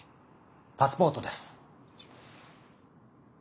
パスポートです。